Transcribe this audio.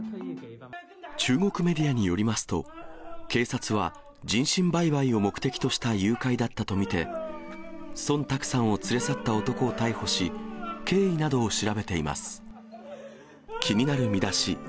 中国メディアによりますと、警察は、人身売買を目的とした誘拐だったと見て、孫卓さんを連れ去った男を逮捕し、経緯などを調べています。